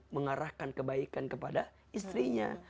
mengarahkan kebaikan kepada istrinya